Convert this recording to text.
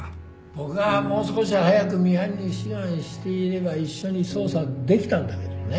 僕がもう少し早くミハンに志願していれば一緒に捜査できたんだけどね。